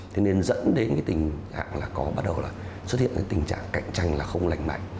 thế nên dẫn đến cái tình trạng là có bắt đầu là xuất hiện cái tình trạng cạnh tranh là không lành mạnh